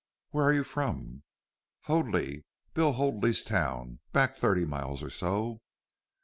"Where are you from?" "Hoadley. Bill Hoadley's town, back thirty miles or so."